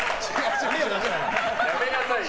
やめなさいよ。